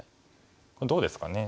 これどうですかね。